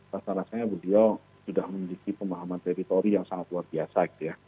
rasanya rasanya budiok sudah memiliki pemahaman teritori yang sangat luar biasa